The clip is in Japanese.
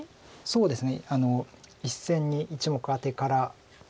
そうですね